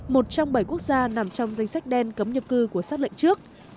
một trong bảy quốc gia nằm trong danh sách đen cấm nhập cư của sát lệnh trước